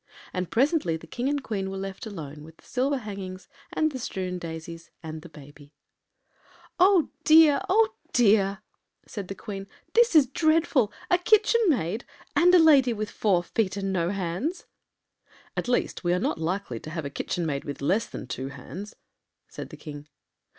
And presently the King and Queen were left alone with the silver hangings and the strewn daisies and the baby. “Oh dear! oh dear!” said the Queen; “this is dreadful! A kitchen maid!—and a lady with four feet and no hands!” “At least we are not likely to have a kitchen maid with less than two hands,” said the King.